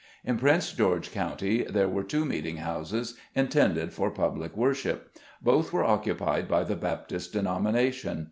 In Prince George County there were two meeting houses intended for public worship. Both were occupied by the Baptist denomination.